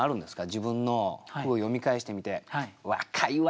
自分の句を読み返してみて「若いわ。